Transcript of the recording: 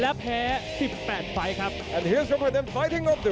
และแพ้๑๘ไฟล์ครับ